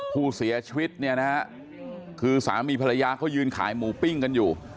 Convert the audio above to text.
ผู้เสียชีวิตเนี่ยนะฮะคือสามีภรรยาเขายืนขายหมูปิ้งกันอยู่